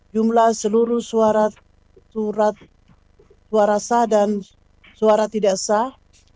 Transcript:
jumlah seluruh surat suara sah dan suara tidak sah